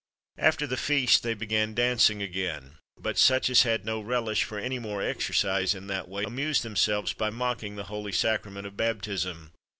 After the feast, they began dancing again; but such as had no relish for any more exercise in that way, amused themselves by mocking the holy sacrament of baptism.